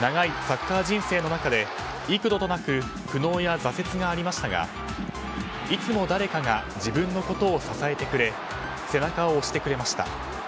長いサッカー人生の中で幾度となく苦悩や挫折がありましたがいつも誰かが自分のことを支えてくれ背中を押してくれました。